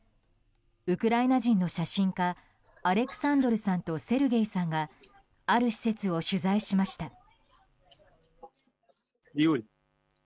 ウクライナ人の写真家アレクサンドルさんとセルゲイさんがある施設を取材しました。